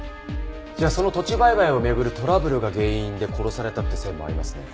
じゃあその土地売買を巡るトラブルが原因で殺されたって線もありますね。